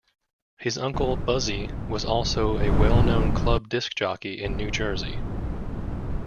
His uncle, "Buzzy", was also a well-known club disc jockey in New Jersey.